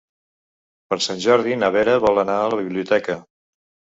Per Sant Jordi na Vera vol anar a la biblioteca.